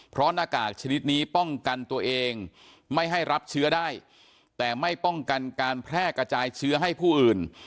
เพราะหน้ากากชนิดนี้ป้องกันตัวเองไม่ให้รับเชื้อได้แต่ไม่ป้องกันการแพร่กระจายเชื้อให้ผู้อื่น